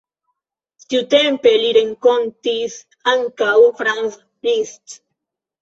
Tiutempe li renkontis ankaŭ Franz Liszt.